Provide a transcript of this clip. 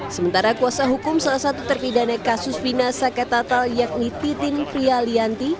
sementara kuasa hukum salah satu terpidane kasus vina saketatal yakni titin priyalianti